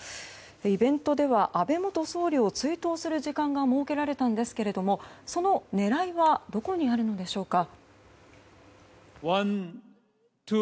イベントでは安倍元総理を追悼する時間が設けられたんですがその狙いはどこにあるのでしょうか。